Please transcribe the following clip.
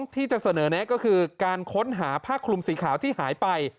ที่จะเสนอแนะก็คือการค้นหาผ้าคลุมสีขาวที่หายไป